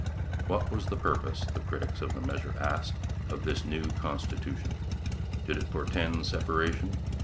What was the purpose, the critics of the measure asked, of this new constitution? Did it portend separation?